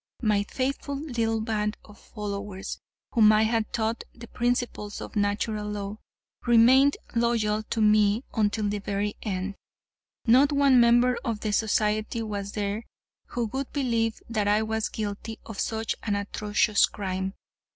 My faithful little band of followers, whom I had taught the principles of Natural Law, remained loyal to me until the very end. Not one member of the society was there who would believe that I was guilty of such an atrocious crime.